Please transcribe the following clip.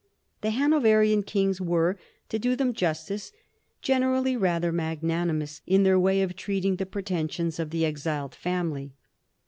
The Hanoverian kings were, to do them justice, generally rather magnanimous in their way of treating the pretensions of the exiled family.